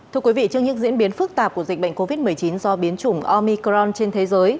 thưa quý vị trước những diễn biến phức tạp của dịch bệnh covid một mươi chín do biến chủng omicron trên thế giới